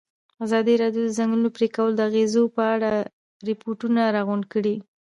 ازادي راډیو د د ځنګلونو پرېکول د اغېزو په اړه ریپوټونه راغونډ کړي.